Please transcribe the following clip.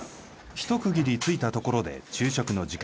ひと区切りついたところで昼食の時間。